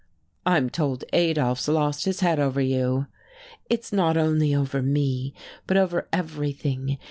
"I'm told Adolf's lost his head over you." "It's not only over me, but over everything.